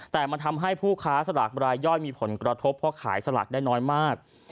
แต่มันทำให้ผู้ค้าสลากรายย่อยมีผลกระทบเพราะขายสลากได้น้อยมาก